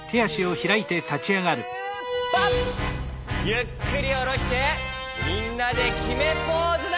ゆっくりおろしてみんなできめポーズだ！